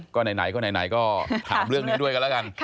ก็ไหนก็ไหนก็ถามเรื่องนี้ด้วยกันแล้วกัน